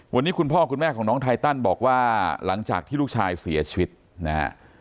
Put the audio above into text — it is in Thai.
วันนี้คุณพ่อคุณแม่ของน้องไทตันบอกว่าหลังจากที่ลูกชายเสียชีวิตนะฮะ